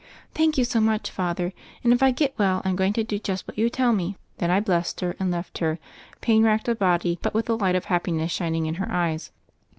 "Thank you so much. Father. And if I get well, I'm going to do just what you tell me." Then I blessed her, and left her, pain racked of body, but with the light of happiness shining in her eyes.